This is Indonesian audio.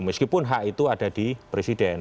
meskipun hak itu ada di presiden